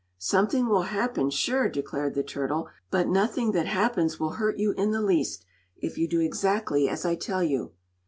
"Something will happen, sure," declared the turtle; "but nothing that happens will hurt you in the least if you do exactly as I tell you."